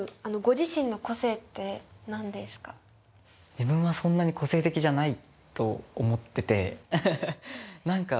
自分はそんなに個性的じゃないと思っててアハハ。